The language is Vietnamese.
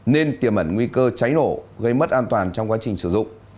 nên tiềm ẩn nguy cơ cháy nổ gây mất an toàn trong quá trình sử dụng